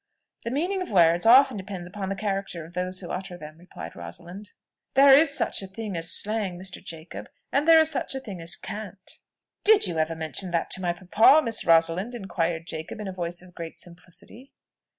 "The meaning of words often depends upon the character of those who utter them," replied Rosalind. "There is such a thing as slang, Mr. Jacob; and there is such a thing as cant." "Did you ever mention that to my papa, Miss Rosalind?" inquired Jacob in a voice of great simplicity.